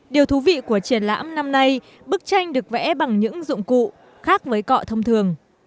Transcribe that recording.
điều thú vị của triển lãm năm nay bức tranh được vẽ bằng những dụng cụ khác với cọ thông thường